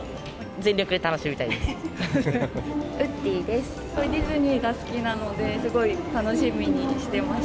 全力で楽しみたいです！